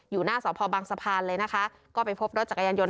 อยู่หน้าสพบังสะพานเลยนะคะก็ไปพบรถจักรยานยนต